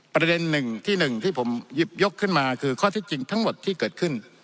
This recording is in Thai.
ประเด็นหนึ่งที่หนึ่งที่ผมหยิบยกขึ้นมาคือข้อที่จริงทั้งหมดที่เกิดขึ้น